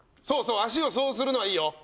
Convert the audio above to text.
そうそう足をそうするのはいいよ。